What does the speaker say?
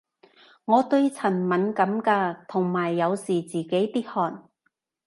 我對塵敏感嘅，同埋有時自己啲汗